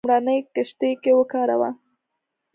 بخار لومړنۍ کښتۍ کې وکاراوه.